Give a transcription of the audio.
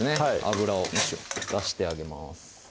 油を出してあげます